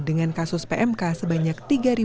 dengan kasus pmk sebanyak tiga tujuh ratus tiga puluh tujuh